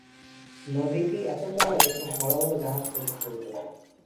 নদীটি এত চওড়া যে, খুব বড় বড় জাহাজ পর্যন্ত যেতে পারে।